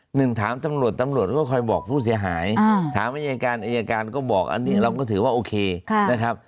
หนึ่งถามตำรวจตำรวจก็คอยบอกผู้เสียหายถามอายการอายการก็บอกอันนี้เราก็ถือว่าโอเคนะครับ